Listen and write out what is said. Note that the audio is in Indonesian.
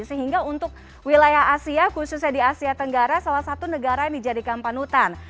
sehingga untuk wilayah asia khususnya di asia tenggara salah satu negara yang dijadikan panutan